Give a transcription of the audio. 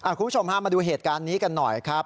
คุณผู้ชมพามาดูเหตุการณ์นี้กันหน่อยครับ